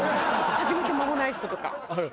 始めて間もない人とか。